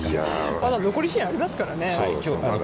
まだ残り試合がありますからね。